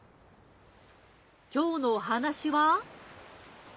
今日のお話は。